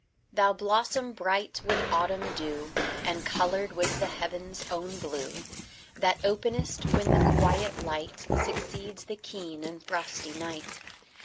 Thou blossom bright with autumn dew, And coloured with the heaven's own blue, That openest when the quiet light Succeeds the keen and frosty night.